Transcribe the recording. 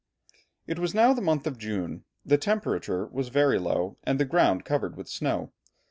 It was now the month of June, the temperature was very low, and the ground covered with snow.